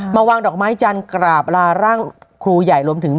มาวางดอกไม้จันทร์กราบลาร่างครูใหญ่รวมถึง